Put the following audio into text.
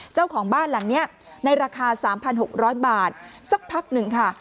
เจ้าของบ้านหลังนี้ในราคา๓๖๐๐บาทสักพักหนึ่งค่ะ